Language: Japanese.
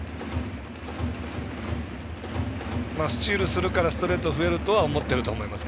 スチールすればストレートが増えると思っていると思います。